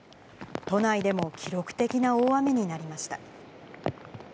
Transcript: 都内でも記録的な大雨になりました。